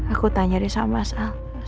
aku tanya dia soal masalah